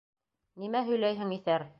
Нимә һөйләйһең, иҫәр?